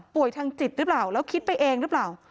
ทางจิตหรือเปล่าแล้วคิดไปเองหรือเปล่า